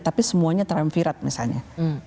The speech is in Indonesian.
tapi semuanya termfirat misalnya